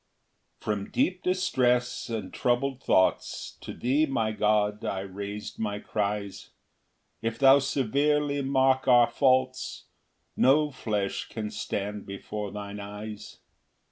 1 From deep distress and troubled thoughts, To thee, my God, I rais'd my cries; If thou severely mark our faults, No flesh can stand before thine eyes.